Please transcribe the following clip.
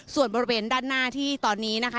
ส่วนบริเวณด้านหน้าที่ตอนนี้นะคะ